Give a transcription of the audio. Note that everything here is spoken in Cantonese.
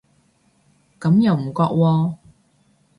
咁又唔覺喎